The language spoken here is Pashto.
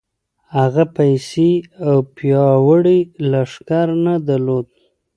هغه پيسې او پياوړی لښکر نه درلود.